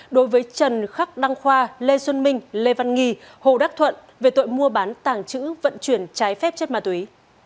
đối với trần khắc đăng khoa lê xuân minh lê văn nghi hồ đắc thuận về tội mua bán tàng trữ vận chuyển trái phép chất ma túy